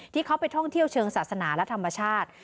ที่เขาไปท่องเที่ยวเชิงศาสนาและธรรมชาติ